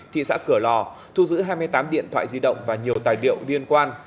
thị xã cửa lò thu giữ hai mươi tám điện thoại di động và nhiều tài liệu liên quan